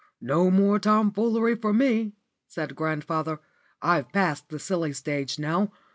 "No more tomfoolery for me," said grandfather. "I've passed the silly stage now.